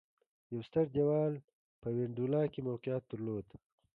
یو ستر دېوال په وینډولا کې موقعیت درلود